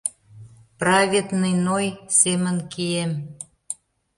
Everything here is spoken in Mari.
— Праведный Ной семын кием.